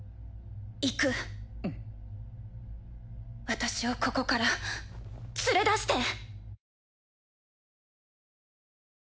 私をここから連れ出して。